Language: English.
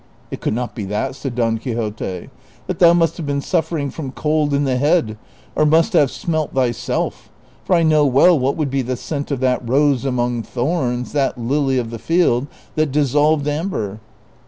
" It could not be that," said Don Quixote, " but thou must have been suffering from cold in the head, or nnist have smelt thyself ; for I know well what would be the scent of that rose among thorns, that lily of the field, that dissolved amber."